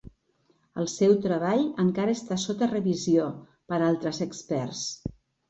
El seu treball encara està sota revisió per altres experts.